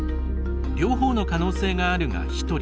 「両方の可能性がある」が１人。